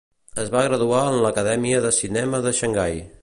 Es va graduar en l'Acadèmia de Cinema de Xangai.